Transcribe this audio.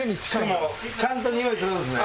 しかもちゃんとにおいするんですね。